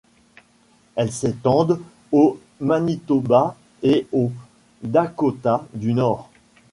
Elles s'étendent au Manitoba et au Dakota du Nord.